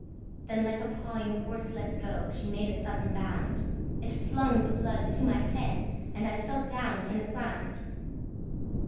Then like a pawing horse let go, She made a sudden bound: It flung the blood into my head, And I fell down in a swound.